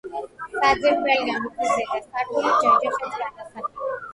საძირკველი და მიწის ზედა სართული ჯოჯოხეთს განასახიერებს.